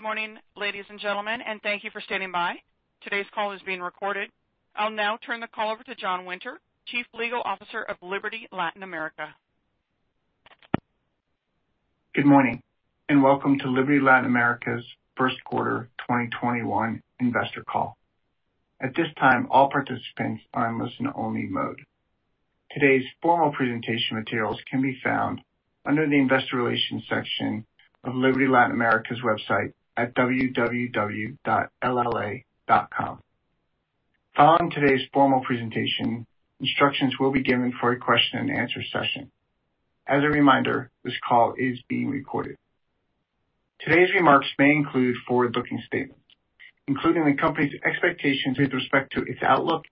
Good morning, ladies and gentlemen, and thank you for standing by. Today's call is being recorded. I'll now turn the call over to John Winter, Chief Legal Officer of Liberty Latin America. Good morning, and welcome to Liberty Latin America's first quarter 2021 investor call. Today's formal presentation materials can be found under the Investor Relations section of Liberty Latin America's website at www.lla.com. Today's remarks may include forward-looking statements, including the company's expectations with respect to its outlook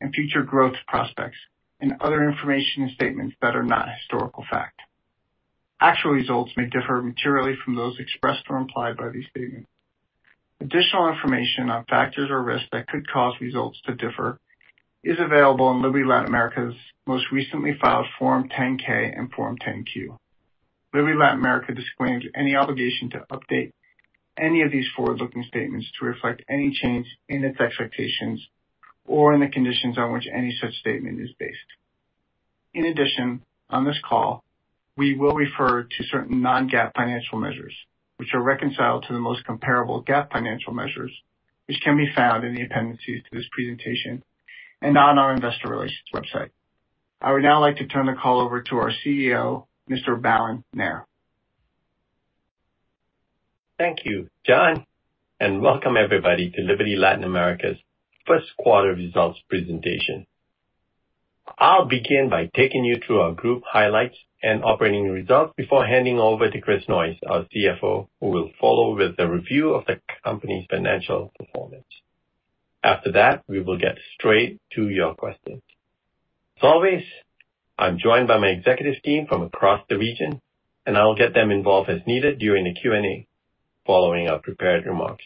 and future growth prospects and other information and statements that are not historical fact. Actual results may differ materially from those expressed or implied by these statements. Additional information on factors or risks that could cause results to differ is available on Liberty Latin America's most recently filed Form 10-K and Form 10-Q. Liberty Latin America disclaims any obligation to update any of these forward-looking statements to reflect any change in its expectations or in the conditions on which any such statement is based. In addition, on this call, we will refer to certain non-GAAP financial measures, which are reconciled to the most comparable GAAP financial measures, which can be found in the appendices to this presentation and on our investor relations website. I would now like to turn the call over to our CEO, Mr. Balan Nair. Thank you, John, and welcome everybody to Liberty Latin America's first quarter results presentation. I'll begin by taking you through our group highlights and operating results before handing over to Chris Noyes, our CFO, who will follow with a review of the company's financial performance. After that, we will get straight to your questions. As always, I'm joined by my executive team from across the region, and I will get them involved as needed during the Q&A following our prepared remarks.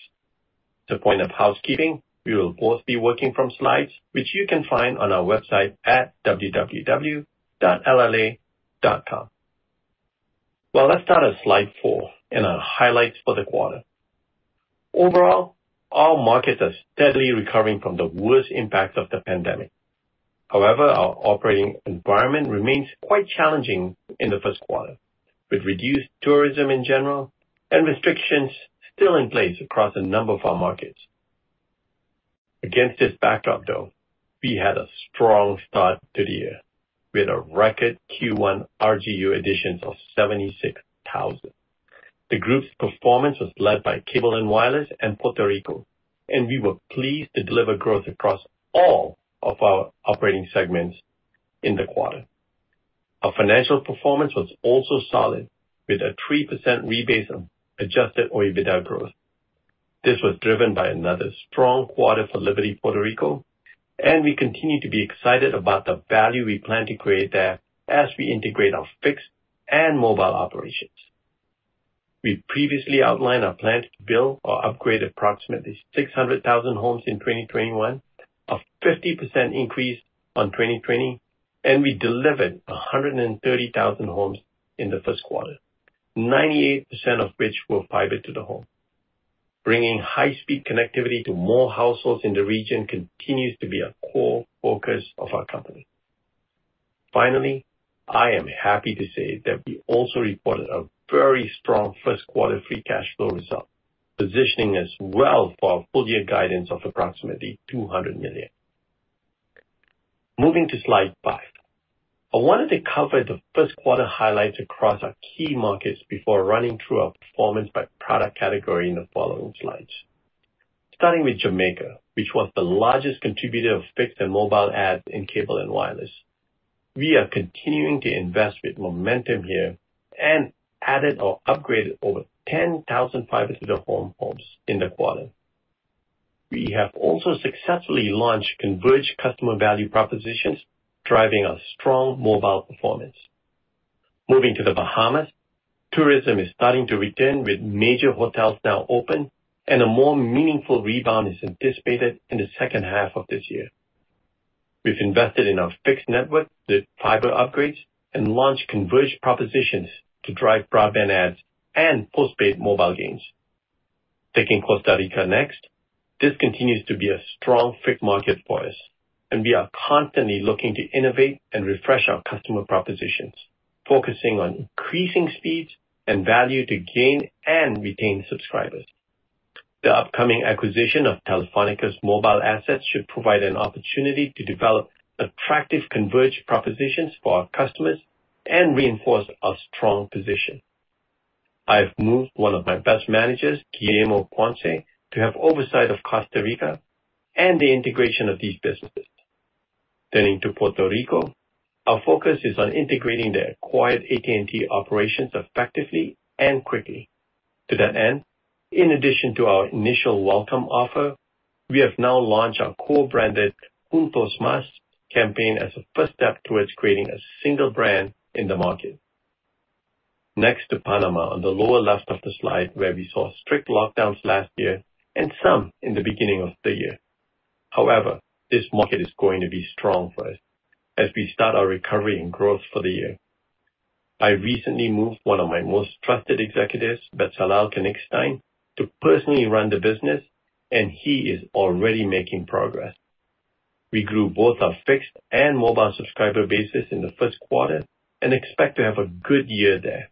As a point of housekeeping, we will both be working from slides, which you can find on our website at www.lla.com. Let's start at slide four and our highlights for the quarter. Overall, our markets are steadily recovering from the worst impacts of the pandemic. However, our operating environment remains quite challenging in the first quarter, with reduced tourism in general and restrictions still in place across a number of our markets. Against this backdrop, though, we had a strong start to the year with a record Q1 RGU additions of 76,000. The group's performance was led by Cable & Wireless and Puerto Rico, and we were pleased to deliver growth across all of our operating segments in the quarter. Our financial performance was also solid, with a 3% rebase on adjusted OIBDA growth. This was driven by another strong quarter for Liberty Puerto Rico, and we continue to be excited about the value we plan to create there as we integrate our fixed and mobile operations. We previously outlined our plans to build or upgrade approximately 600,000 homes in 2021, a 50% increase on 2020, and we delivered 130,000 homes in the first quarter, 98% of which were fiber to the home. Bringing high-speed connectivity to more households in the region continues to be a core focus of our company. Finally, I am happy to say that we also reported a very strong first quarter free cash flow result, positioning us well for our full-year guidance of approximately $200 million. Moving to slide five. I wanted to cover the first quarter highlights across our key markets before running through our performance by product category in the following slides. Starting with Jamaica, which was the largest contributor of fixed and mobile adds in Cable & Wireless. We are continuing to invest with momentum here and added or upgraded over 10,000 fiber to the home hubs in the quarter. We have also successfully launched converged customer value propositions, driving our strong mobile performance. Moving to the Bahamas, tourism is starting to return with major hotels now open, and a more meaningful rebound is anticipated in the second half of this year. We've invested in our fixed network with fiber upgrades and launched converged propositions to drive broadband adds and postpaid mobile gains. Taking Costa Rica next. This continues to be a strong, fit market for us, and we are constantly looking to innovate and refresh our customer propositions, focusing on increasing speeds and value to gain and retain subscribers. The upcoming acquisition of Telefónica's mobile assets should provide an opportunity to develop attractive converged propositions for our customers and reinforce our strong position. I've moved one of my best managers, Guillermo Ponce, to have oversight of Costa Rica and the integration of these businesses. Turning to Puerto Rico, our focus is on integrating the acquired AT&T operations effectively and quickly. To that end, in addition to our initial welcome offer, we have now launched our co-branded Juntos, más campaign as a first step towards creating a single brand in the market. Next to Panama on the lower left of the slide, where we saw strict lockdowns last year and some in the beginning of the year. However, this market is going to be strong for us as we start our recovery and growth for the year. I recently moved one of my most trusted executives, Betzalel Kenigsztein, to personally run the business, and he is already making progress. We grew both our fixed and mobile subscriber bases in the first quarter and expect to have a good year there.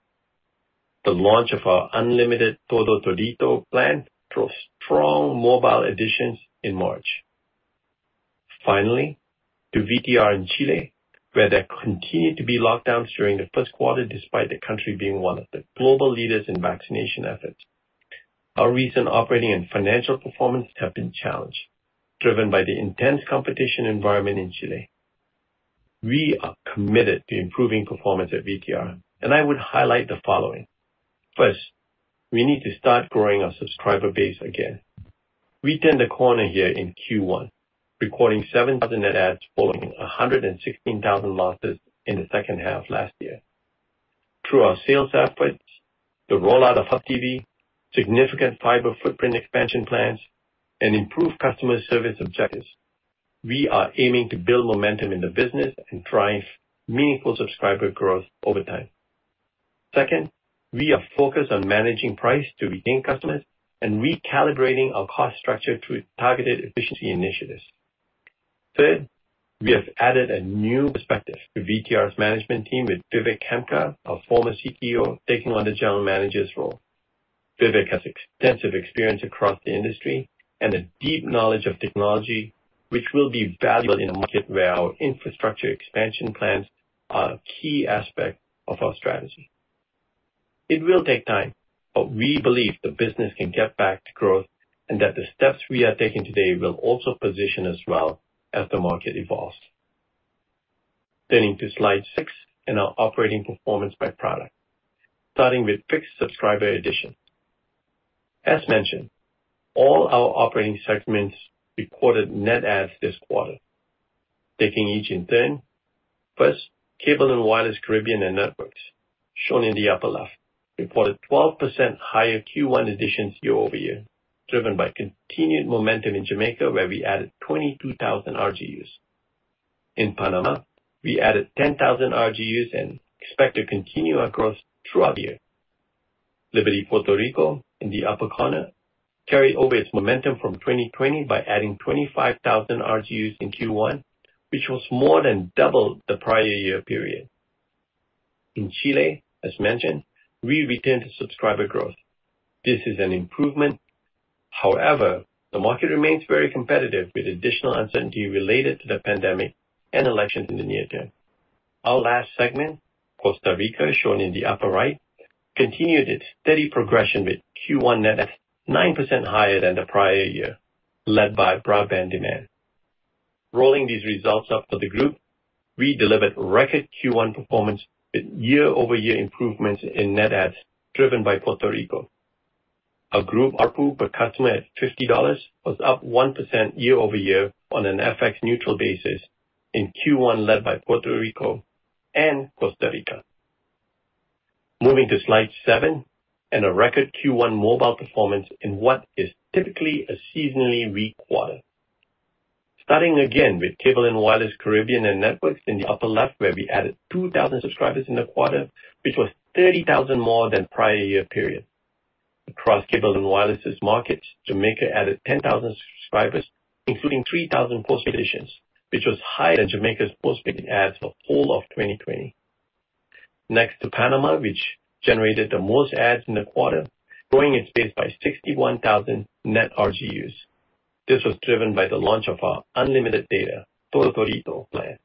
The launch of our unlimited Todo Todito plan drove strong mobile additions in March. Finally, to VTR in Chile, where there continued to be lockdowns during the first quarter, despite the country being one of the global leaders in vaccination efforts. Our recent operating and financial performance have been challenged, driven by the intense competition environment in Chile. We are committed to improving performance at VTR, and I would highlight the following. First, we need to start growing our subscriber base again. We turned the corner here in Q1, recording 7,000 net adds following 116,000 losses in the second half last year. Through our sales efforts, the rollout of Hub TV, significant fiber footprint expansion plans, and improved customer service objectives, we are aiming to build momentum in the business and drive meaningful subscriber growth over time. Second, we are focused on managing price to retain customers and recalibrating our cost structure through targeted efficiency initiatives. Third, we have added a new perspective to VTR's management team with Vivek Khemka, our former CTO, taking on the general manager's role. Vivek has extensive experience across the industry and a deep knowledge of technology, which will be valuable in a market where our infrastructure expansion plans are a key aspect of our strategy. It will take time, but we believe the business can get back to growth and that the steps we are taking today will also position us well as the market evolves. Turning to slide six in our operating performance by product, starting with fixed subscriber addition. As mentioned, all our operating segments reported net adds this quarter. Taking each in turn, first, Cable & Wireless Caribbean and Networks, shown in the upper left, reported 12% higher Q1 additions year-over-year, driven by continued momentum in Jamaica, where we added 22,000 RGUs. In Panama, we added 10,000 RGUs and expect to continue our growth throughout the year. Liberty Puerto Rico, in the upper corner, carried over its momentum from 2020 by adding 25,000 RGUs in Q1, which was more than double the prior-year period. In Chile, as mentioned, we returned to subscriber growth. This is an improvement. However, the market remains very competitive, with additional uncertainty related to the pandemic and elections in the near-term. Our last segment, Costa Rica, shown in the upper right, continued its steady progression with Q1 net adds 9% higher than the prior year, led by broadband demand. Rolling these results up for the group, we delivered record Q1 performance with year-over-year improvements in net adds driven by Puerto Rico. Our group ARPU per customer at $50 was up 1% year-over-year on an FX neutral basis in Q1, led by Puerto Rico and Costa Rica. Moving to slide seven and a record Q1 mobile performance in what is typically a seasonally weak quarter. Starting again with Cable & Wireless Caribbean & Networks in the upper left, where we added 2,000 subscribers in the quarter, which was 30,000 more than prior-year period. Across Cable & Wireless's markets, Jamaica added 10,000 subscribers, including 3,000 postpaid additions, which was higher than Jamaica's postpaid adds for all of 2020. Next to Panama, which generated the most adds in the quarter, growing its base by 61,000 net RGUs. This was driven by the launch of our unlimited data Todo Todito plan.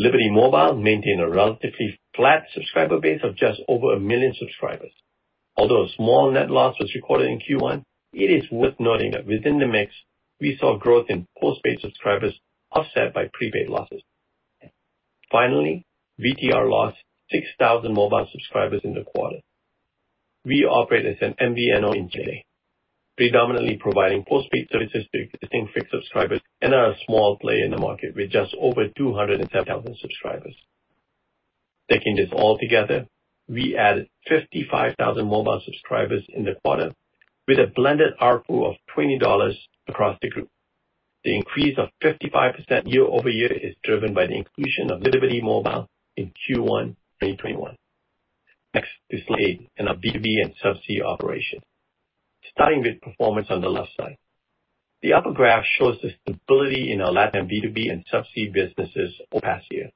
Liberty Mobile maintained a relatively flat subscriber base of just over a million subscribers. A small net loss was recorded in Q1, it is worth noting that within the mix, we saw growth in postpaid subscribers offset by prepaid losses. VTR lost 6,000 mobile subscribers in the quarter. We operate as an MVNO in Chile, predominantly providing postpaid services to existing fixed subscribers and are a small player in the market with just over 207,000 subscribers. Taking this all together, we added 55,000 mobile subscribers in the quarter with a blended ARPU of $20 across the group. The increase of 55% year-over-year is driven by the inclusion of Liberty Mobile in Q1 2021. Next is slide eight in our B2B and subsea operation. Starting with performance on the left side. The upper graph shows the stability in our LatAm B2B and subsea businesses over the past year.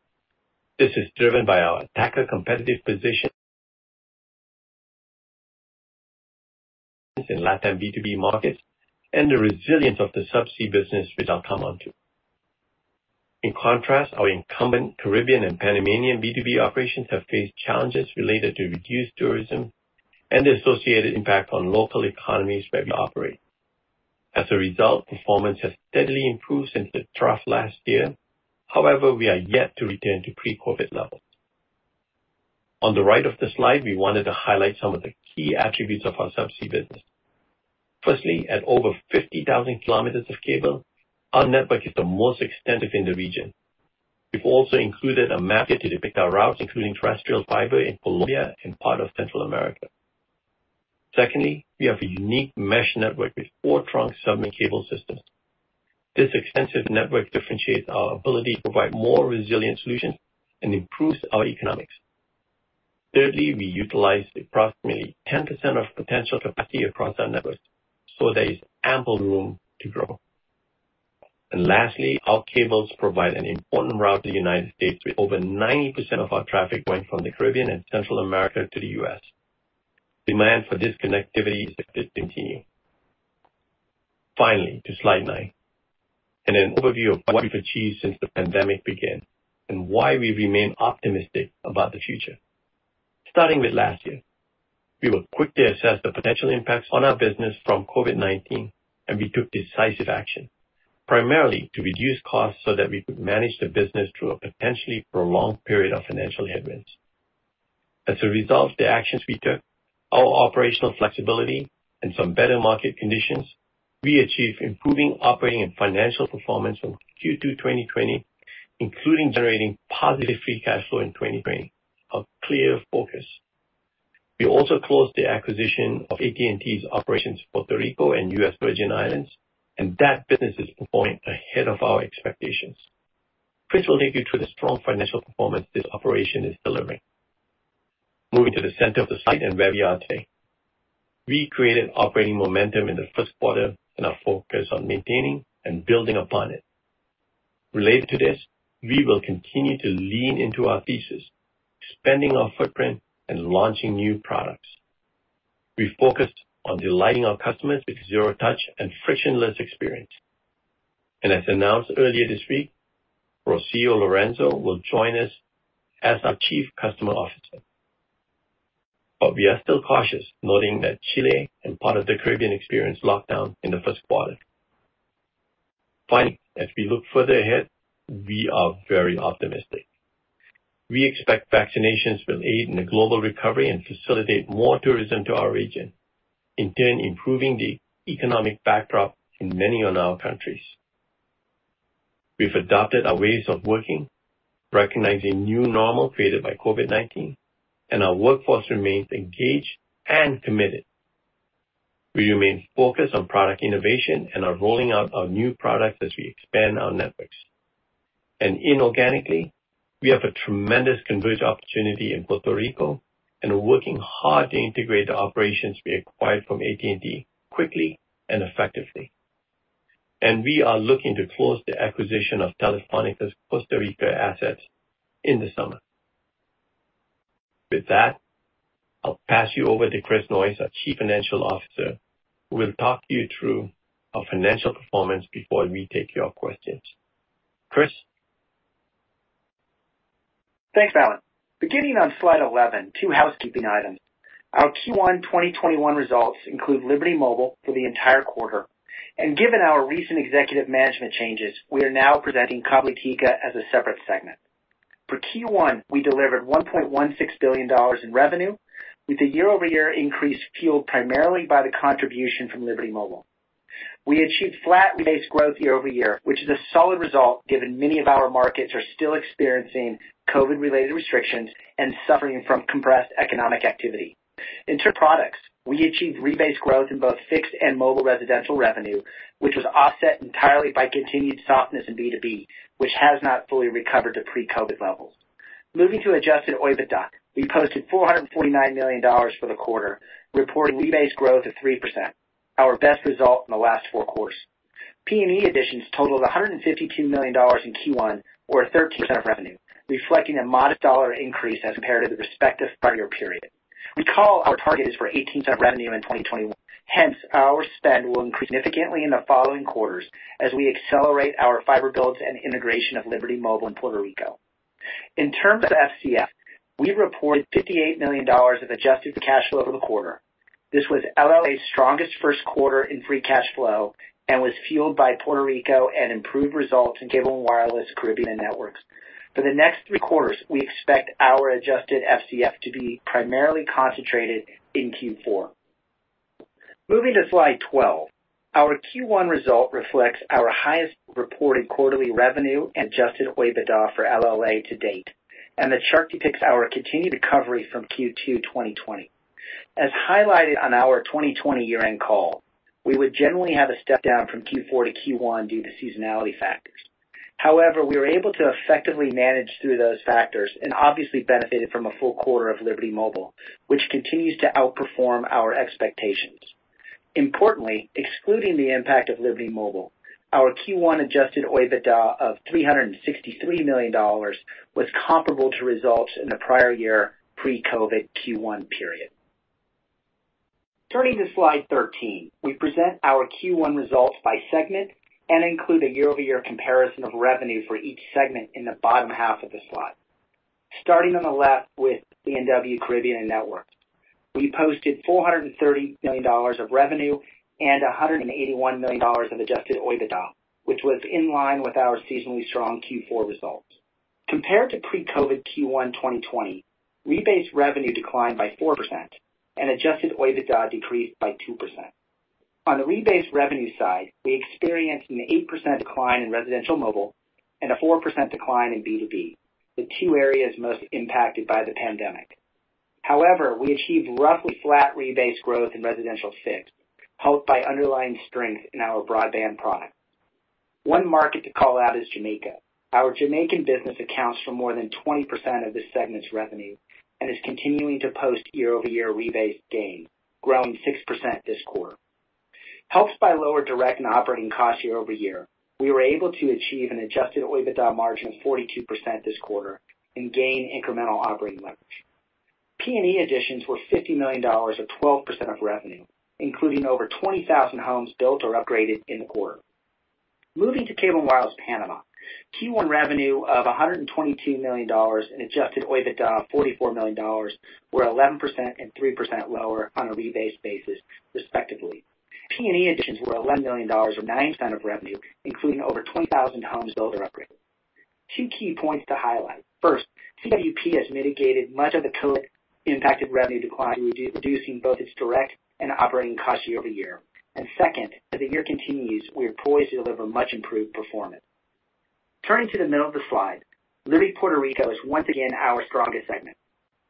This is driven by our attacker competitive position in LatAm B2B markets and the resilience of the subsea business, which I'll come on to. In contrast, our incumbent Caribbean and Panamanian B2B operations have faced challenges related to reduced tourism and the associated impact on local economies where we operate. As a result, performance has steadily improved since the trough last year. However, we are yet to return to pre-COVID levels. On the right of the slide, we wanted to highlight some of the key attributes of our subsea business. Firstly, at over 50,000 km of cable, our network is the most extensive in the region. We've also included a map here to depict our routes, including terrestrial fiber in Colombia and part of Central America. We have a unique mesh network with four trunk submarine cable systems. This extensive network differentiates our ability to provide more resilient solutions and improves our economics. We utilize approximately 10% of potential capacity across our networks, so there is ample room to grow. Lastly, our cables provide an important route to the United States, with over 90% of our traffic going from the Caribbean and Central America to the U.S. Demand for this connectivity is expected to continue. To slide nine, and an overview of what we've achieved since the pandemic began and why we remain optimistic about the future. Starting with last year, we will quickly assess the potential impacts on our business from COVID-19, we took decisive action, primarily to reduce costs so that we could manage the business through a potentially prolonged period of financial headwinds. As a result of the actions we took, our operational flexibility, and some better market conditions, we achieved improving operating and financial performance from Q2 2020, including generating positive free cash flow in 2020, a clear focus. We also closed the acquisition of AT&T's operations, Puerto Rico and U.S. Virgin Islands, that business is performing ahead of our expectations. Chris will lead you through the strong financial performance this operation is delivering. Moving to the center of the slide and where we are today. We created operating momentum in the first quarter, are focused on maintaining and building upon it. Related to this, we will continue to lean into our thesis, expanding our footprint and launching new products. We focused on delighting our customers with zero touch and frictionless experience. As announced earlier this week, Rocío Lorenzo will join us as our Chief Customer Officer. We are still cautious, noting that Chile and part of the Caribbean experienced lockdown in the first quarter. Finally, as we look further ahead, we are very optimistic. We expect vaccinations will aid in the global recovery and facilitate more tourism to our region, in turn improving the economic backdrop in many of our countries. We've adopted our ways of working, recognizing new normal created by COVID-19, and our workforce remains engaged and committed. We remain focused on product innovation and are rolling out our new products as we expand our networks. Inorganically, we have a tremendous conversion opportunity in Puerto Rico and are working hard to integrate the operations we acquired from AT&T quickly and effectively. We are looking to close the acquisition of Telefónica's Costa Rica assets in the summer. With that, I'll pass you over to Chris Noyes, our Chief Financial Officer, who will talk you through our financial performance before we take your questions. Chris? Thanks, Balan Nair. Beginning on slide 11, two housekeeping items. Our Q1 2021 results include Liberty Mobile for the entire quarter. Given our recent executive management changes, we are now presenting Cabletica as a separate segment. For Q1, we delivered $1.16 billion in revenue, with the year-over-year increase fueled primarily by the contribution from Liberty Mobile. We achieved flat rebase growth year-over-year, which is a solid result given many of our markets are still experiencing COVID-related restrictions and suffering from compressed economic activity. In two products, we achieved rebase growth in both fixed and mobile residential revenue, which was offset entirely by continued softness in B2B, which has not fully recovered to pre-COVID levels. Moving to adjusted OIBDA, we posted $449 million for the quarter, reporting rebase growth of 3%, our best result in the last four quarters. P&E additions totaled $152 million in Q1 or 13% of revenue, reflecting a modest dollar increase as compared to the respective prior period. Recall our target is for 18% of revenue in 2021. Hence, our spend will increase significantly in the following quarters as we accelerate our fiber builds and integration of Liberty Mobile and Puerto Rico. In terms of FCF, we reported $58 million of adjusted free cash flow over the quarter. This was LLA's strongest first quarter in free cash flow and was fueled by Puerto Rico and improved results in Cable & Wireless Caribbean & Networks. For the next three quarters, we expect our adjusted FCF to be primarily concentrated in Q4. Moving to slide 12. Our Q1 result reflects our highest reported quarterly revenue and Adjusted OIBDA for LLA to date, and the chart depicts our continued recovery from Q2 2020. As highlighted on our 2020 year-end call, we would generally have a step down from Q4 to Q1 due to seasonality factors. We were able to effectively manage through those factors and obviously benefited from a full quarter of Liberty Mobile, which continues to outperform our expectations. Importantly, excluding the impact of Liberty Mobile, our Q1 Adjusted OIBDA of $363 million was comparable to results in the prior year pre-COVID Q1 period. Turning to slide 13, we present our Q1 results by segment and include a year-over-year comparison of revenue for each segment in the bottom half of the slide. Starting on the left with C&W Caribbean & Networks, we posted $430 million of revenue and $181 million of Adjusted OIBDA, which was in line with our seasonally strong Q4 results. Compared to pre-COVID Q1 2020, rebased revenue declined by 4% and Adjusted OIBDA decreased by 2%. On the rebase revenue side, we experienced an 8% decline in residential mobile and a 4% decline in B2B, the two areas most impacted by the pandemic. However, we achieved roughly flat rebase growth in residential fixed, helped by underlying strength in our broadband product. One market to call out is Jamaica. Our Jamaican business accounts for more than 20% of this segment's revenue and is continuing to post year-over-year rebase gain, growing 6% this quarter. Helped by lower direct and operating costs year-over-year, we were able to achieve an Adjusted OIBDA margin of 42% this quarter and gain incremental operating leverage. P&E additions were $50 million or 12% of revenue, including over 20,000 homes built or upgraded in the quarter. Moving to Cable & Wireless Panama. Q1 revenue of $122 million in Adjusted OIBDA, $44 million were 11% and 3% lower on a rebase basis, respectively. P&E additions were $11 million, or 9% of revenue, including over 20,000 homes built or upgraded. Two key points to highlight. First, CWP has mitigated much of the COVID impacted revenue decline, reducing both its direct and operating costs year-over-year. Second, as the year continues, we are poised to deliver much improved performance. Turning to the middle of the slide, Liberty Puerto Rico is once again our strongest segment.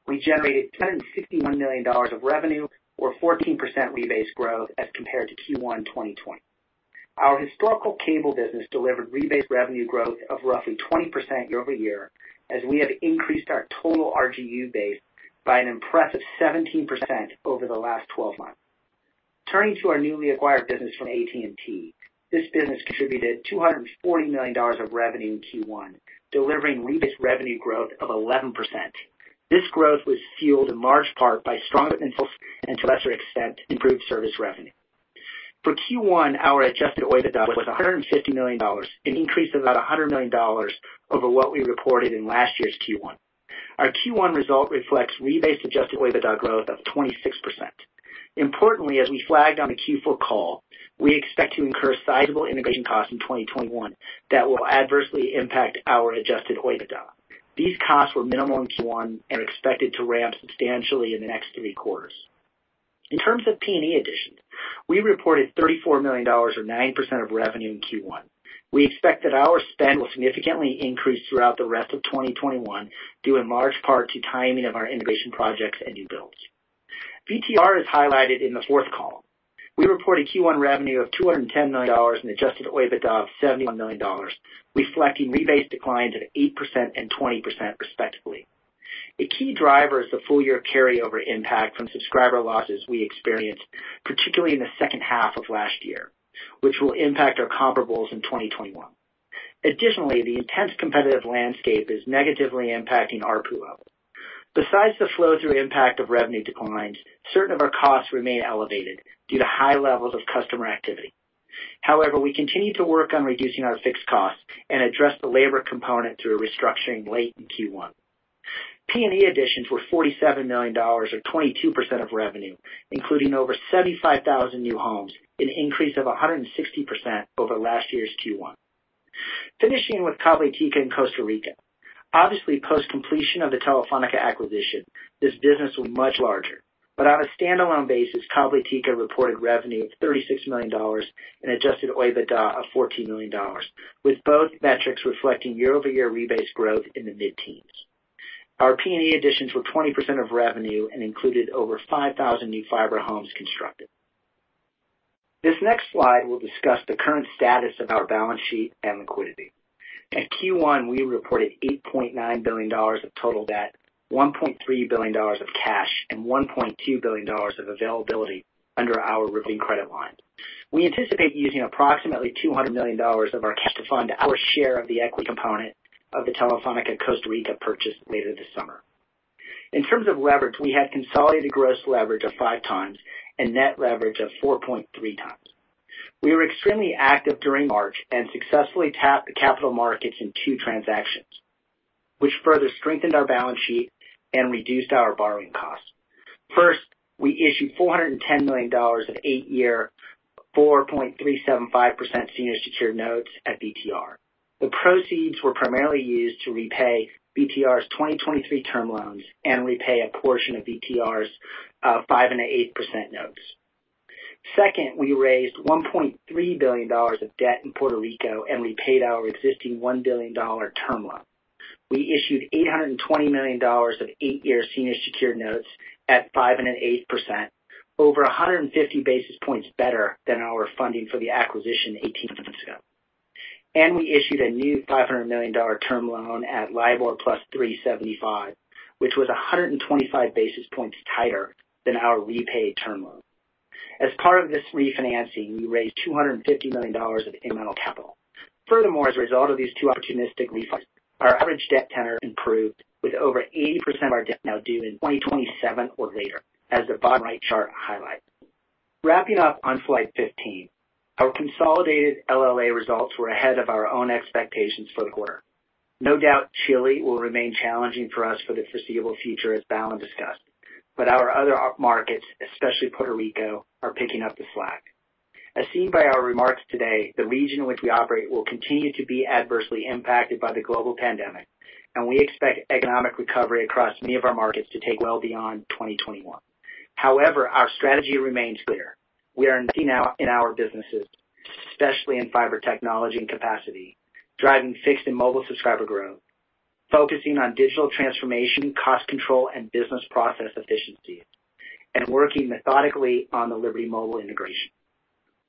We generated $261 million of revenue or 14% rebase growth as compared to Q1 2020. Our historical cable business delivered rebase revenue growth of roughly 20% year-over-year, as we have increased our total RGU base by an impressive 17% over the last 12 months. Turning to our newly acquired business from AT&T, this business contributed $240 million of revenue in Q1, delivering rebased revenue growth of 11%. This growth was fueled in large part by[ stronger than sales] and to lesser extent, improved service revenue. For Q1, our Adjusted OIBDA was $150 million, an increase of about $100 million over what we reported in last year's Q1. Our Q1 result reflects rebased Adjusted OIBDA growth of 26%. Importantly, as we flagged on the Q4 call, we expect to incur sizable integration costs in 2021 that will adversely impact our Adjusted OIBDA. These costs were minimum in Q1 and are expected to ramp substantially in the next three quarters. In terms of P&E additions, we reported $34 million or 9% of revenue in Q1. We expect that our spend will significantly increase throughout the rest of 2021, due in large part to timing of our innovation projects and new builds. VTR is highlighted in the fourth column. We reported Q1 revenue of $210 million in Adjusted OIBDA of $71 million, reflecting rebased declines of 8% and 20% respectively. A key driver is the full year carryover impact from subscriber losses we experienced, particularly in the second half of last year, which will impact our comparables in 2021. Additionally, the intense competitive landscape is negatively impacting ARPU levels. Besides the flow-through impact of revenue declines, certain of our costs remain elevated due to high levels of customer activity. We continue to work on reducing our fixed costs and address the labor component through a restructuring late in Q1. P&E additions were $47 million, or 22% of revenue, including over 75,000 new homes, an increase of 160% over last year's Q1. Finishing with Cabletica in Costa Rica. Obviously, post completion of the Telefónica acquisition, this business was much larger, but on a standalone basis, Cabletica reported revenue of $36 million and Adjusted OIBDA of $14 million, with both metrics reflecting year-over-year rebase growth in the mid-teens. Our P&E additions were 20% of revenue and included over 5,000 new fiber homes constructed. This next slide will discuss the current status of our balance sheet and liquidity. At Q1, we reported $8.9 billion of total debt, $1.3 billion of cash, and $1.2 billion of availability under our revolving credit line. We anticipate using approximately $200 million of our cash to fund our share of the equity component of the Telefónica Costa Rica purchase later this summer. In terms of leverage, we had consolidated gross leverage of 5x and net leverage of 4.3x. We were extremely active during March and successfully tapped the capital markets in two transactions, which further strengthened our balance sheet and reduced our borrowing costs. First, we issued $410 million of 8-year 4.375% senior secured notes at VTR. The proceeds were primarily used to repay VTR's 2023 term loans and repay a portion of VTR's 5% and 8% notes. Second, we raised $1.3 billion of debt in Puerto Rico and repaid our existing $1 billion term loan. We issued $820 million of 8-year senior secured notes at 5.125%, over 150 basis points better than our funding for the acquisition 18 months ago. We issued a new $500 million term loan at LIBOR plus 375, which was 125 basis points tighter than our repaid term loan. As part of this refinancing, we raised $250 million of incremental capital. Furthermore, as a result of these two opportunistic refunds, our average debt tenor improved with over 80% of our debt now due in 2027 or later, as the bottom right chart highlights. Wrapping up on slide 15. Our consolidated LLA results were ahead of our own expectations for the quarter. No doubt Chile will remain challenging for us for the foreseeable future, as Balan discussed, but our other markets, especially Puerto Rico, are picking up the slack. As seen by our remarks today, the region in which we operate will continue to be adversely impacted by the global pandemic, and we expect economic recovery across many of our markets to take well beyond 2021. However, our strategy remains clear. We are seeing now in our businesses Especially in fiber technology and capacity, driving fixed and mobile subscriber growth, focusing on digital transformation, cost control, and business process efficiency, and working methodically on the Liberty Mobile integration.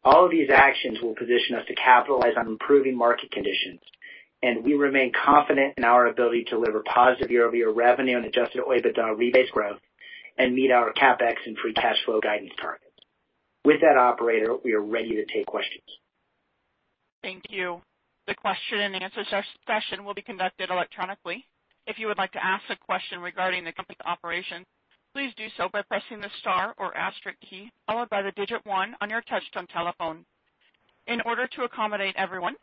All of these actions will position us to capitalize on improving market conditions, and we remain confident in our ability to deliver positive year-over-year revenue on Adjusted OIBDA rebase growth and meet our CapEx and free cash flow guidance targets. With that, operator, we are ready to take questions. Thank you. The question and answer session will be conducted electronically. If you would like to ask a question regarding the company's operation, please do so by pressing the star or asterisk key, followed by the digit 1 on your touch-tone telephone. In order to accommodate everyone,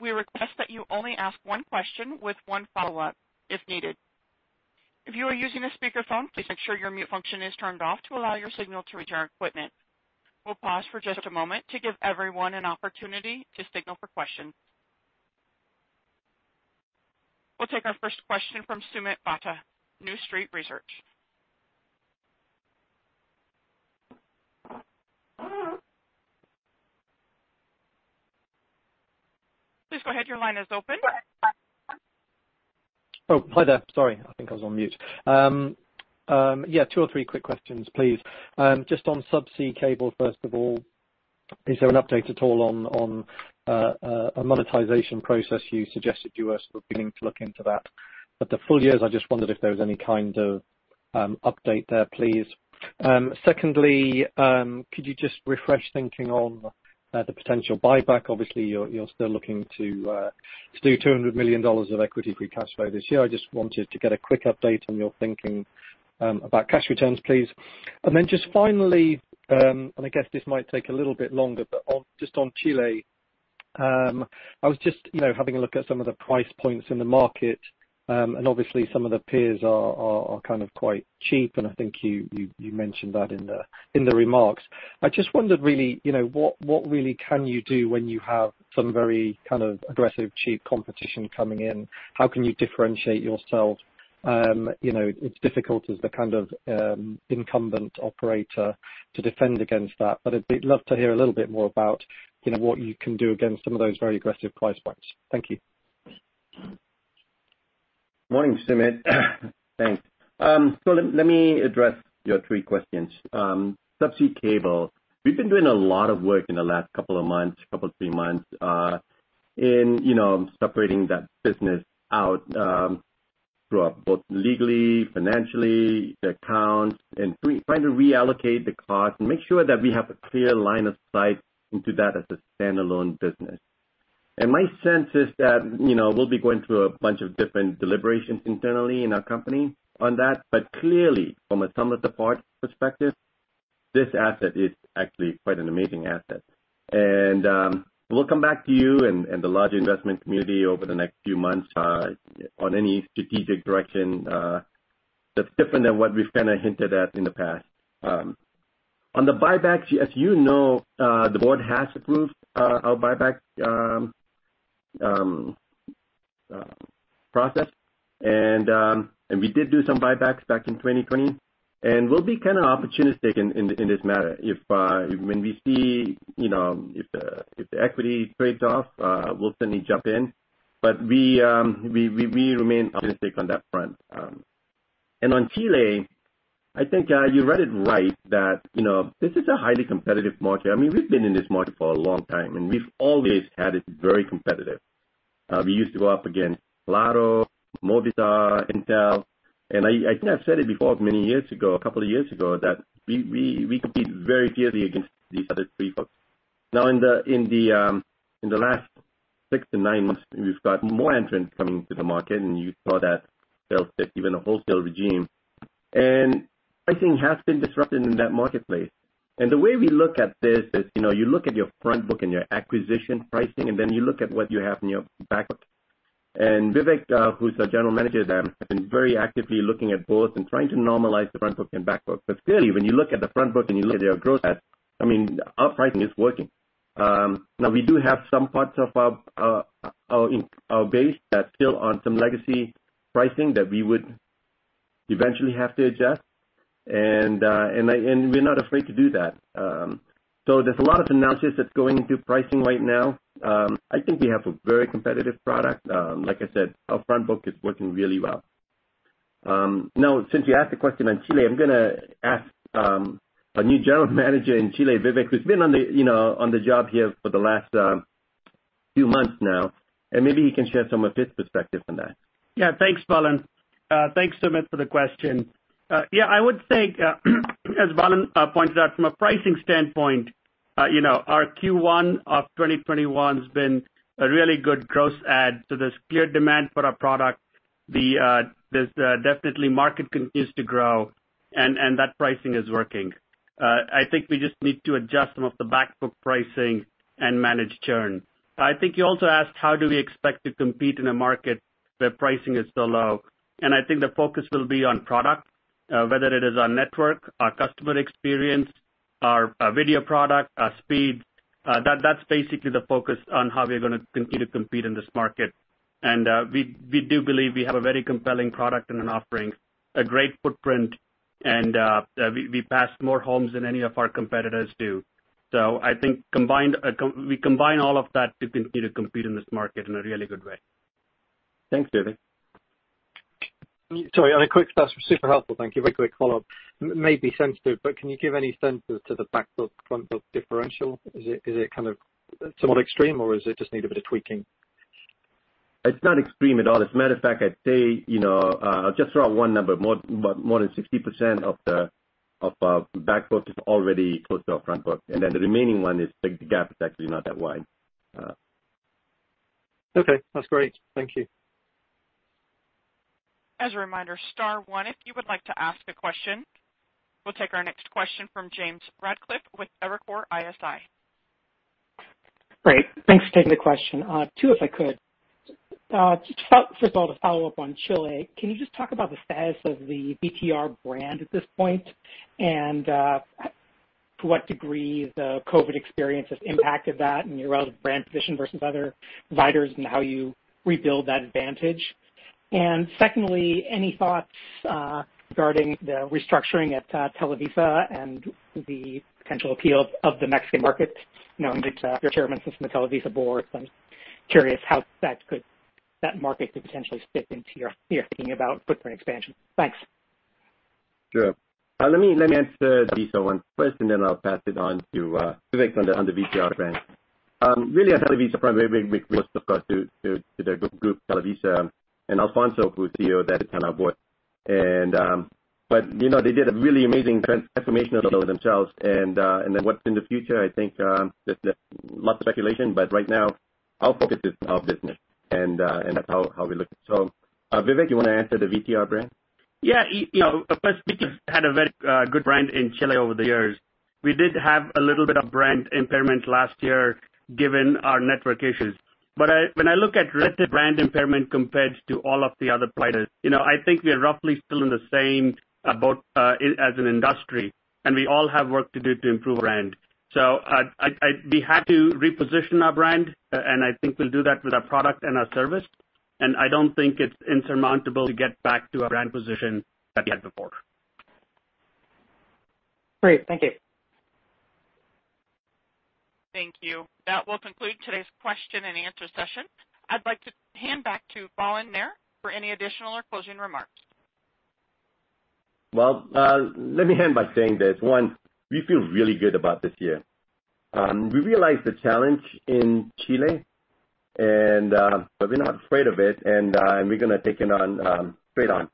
we request that you only ask one question with one follow-up if needed. If you are using a speakerphone, please make sure your mute function is turned off to allow your signal to reach our equipment. We'll pause for just a moment to give everyone an opportunity to signal for questions. We'll take our first question from Soomit Datta, New Street Research. Please go ahead. Your line is open. Oh, hi there. Sorry. I think I was on mute. Yeah, two or three quick questions, please. Just on subsea cable, first of all, is there an update at all on a monetization process you suggested you were beginning to look into that at the full year. I just wondered if there was any kind of update there, please. Secondly, could you just refresh thinking on the potential buyback? Obviously, you're still looking to do $200 million of equity free cash flow this year. I just wanted to get a quick update on your thinking about cash returns, please. Then just finally, and I guess this might take a little bit longer, but just on Chile. I was just having a look at some of the price points in the market, and obviously some of the peers are kind of quite cheap, and I think you mentioned that in the remarks. I just wondered what really can you do when you have some very aggressive cheap competition coming in? How can you differentiate yourself? It's difficult as the incumbent operator to defend against that, but I'd love to hear a little bit more about what you can do against some of those very aggressive price points. Thank you. Morning, Soomit. Thanks. Let me address your three questions. Subsea cable. We've been doing a lot of work in the last couple of months, couple, three months, in separating that business out, both legally, financially, the accounts, and trying to reallocate the cost and make sure that we have a clear line of sight into that as a standalone business. My sense is that we'll be going through a bunch of different deliberations internally in our company on that, clearly from a sum of the parts perspective, this asset is actually quite an amazing asset. We'll come back to you and the larger investment community over the next few months on any strategic direction that's different than what we've hinted at in the past. On the buybacks, as you know, the board has approved our buyback process, and we did do some buybacks back in 2020, and we'll be kind of opportunistic in this matter. When we see if the equity trades off, we'll certainly jump in, but we remain optimistic on that front. On Chile, I think you read it right that this is a highly competitive market. We've been in this market for a long time, and we've always had it very competitive. We used to go up against Claro, Movistar, Entel, and I think I've said it before, many years ago, a couple of years ago, that we compete very fiercely against these other three folks. In the last six to nine months, we've got more entrants coming to the market, and you saw that they'll take even a wholesale regime. Pricing has been disrupted in that marketplace. The way we look at this is, you look at your front book and your acquisition pricing, and then you look at what you have in your back book. Vivek, who's the general manager there, has been very actively looking at both and trying to normalize the front book and back book. Clearly, when you look at the front book and you look at their growth rate, our pricing is working. We do have some parts of our base that's still on some legacy pricing that we would eventually have to adjust. We're not afraid to do that. There's a lot of analysis that's going into pricing right now. I think we have a very competitive product. Like I said, our front book is working really well. Since you asked the question on Chile, I'm going to ask our new General Manager in Chile, Vivek, who's been on the job here for the last few months now, and maybe he can share some of his perspective on that. Thanks, Balan. Thanks, Soomit, for the question. I would say, as Balan pointed out from a pricing standpoint, our Q1 2021 has been a really good gross add to this clear demand for our product. There's definitely market continues to grow, and that pricing is working. I think we just need to adjust some of the back book pricing and manage churn. I think you also asked how do we expect to compete in a market where pricing is so low, and I think the focus will be on product, whether it is our network, our customer experience, our video product, our speed. That's basically the focus on how we're going to continue to compete in this market. We do believe we have a very compelling product and an offering, a great footprint. We pass more homes than any of our competitors do. I think we combine all of that to continue to compete in this market in a really good way. Thanks, Vivek. Sorry, that's super helpful. Thank you. Very quick follow-up. May be sensitive, but can you give any sense as to the back book, front book differential? Is it somewhat extreme, or is it just need a bit of tweaking? It's not extreme at all. As a matter of fact, I'd say, I'll just throw out one number. More than 60% of our back book is already posted on front book, and then the remaining one is, the gap is actually not that wide. Okay. That's great. Thank you. As a reminder, star one if you would like to ask a question. We'll take our next question from James Ratcliffe with Evercore ISI. Great. Thanks for taking the question. Two, if I could. Just first of all, to follow up on Chile, can you just talk about the status of the VTR brand at this point, and to what degree the COVID experience has impacted that and your relative brand position versus other providers and how you rebuild that advantage? Secondly, any thoughts regarding the restructuring at Televisa and the potential appeal of the Mexican market, knowing that your chairman sits on the Televisa board, so I'm curious how that market could potentially fit into your thinking about footprint expansion. Thanks. Sure. Let me answer the Televisa one first, and then I'll pass it on to Vivek on the VTR brand. Really on the Televisa front, very big, big, big loss, of course, to their group, Televisa, and Alfonso de Angoitia that is on our board. They did a really amazing transformation of themselves. What's in the future, I think there's lots of speculation, but right now our focus is our business, and that's how we look. Vivek, you want to answer the VTR brand? Yeah. Of course, we just had a very good brand in Chile over the years. We did have a little bit of brand impairment last year given our network issues. When I look at relative brand impairment compared to all of the other providers, I think we are roughly still in the same boat as an industry, and we all have work to do to improve brand. We had to reposition our brand, and I think we'll do that with our product and our service, and I don't think it's insurmountable to get back to our brand position that we had before. Great. Thank you. Thank you. That will conclude today's question and answer session. I'd like to hand back to Balan Nair for any additional or closing remarks. Well, let me end by saying this. One, we feel really good about this year. We realize the challenge in Chile, but we're not afraid of it, and we're gonna take it on head on.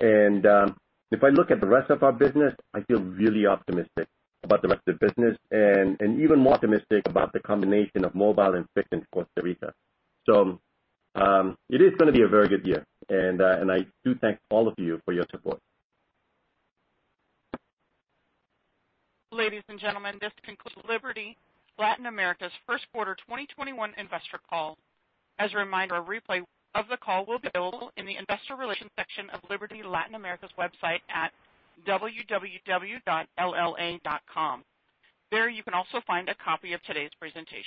If I look at the rest of our business, I feel really optimistic about the rest of the business and even more optimistic about the combination of mobile and fixed in Costa Rica. It is gonna be a very good year, and I do thank all of you for your support. Ladies and gentlemen, this concludes Liberty Latin America's first quarter 2021 investor call. As a reminder, a replay of the call will be available in the investor relation section of Liberty Latin America's website at www.lla.com. There you can also find a copy of today's presentation.